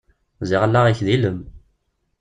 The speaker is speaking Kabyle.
Ziɣ allaɣ-ik d ilem!